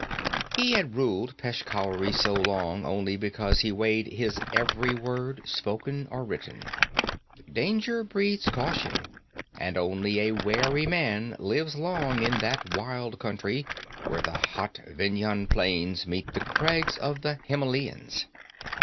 He had ruled Peshkhauri so long only because he weighed his every word, spoken or written. Danger breeds caution, and only a wary man lives long in that wild country where the hot Vendhyan plains meet the crags of the Himelians.